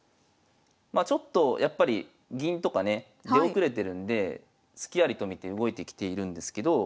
まあちょっとやっぱり銀とかね出遅れてるんでスキありと見て動いてきているんですけど。